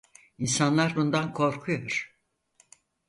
İnsanlar bundan korkuyor.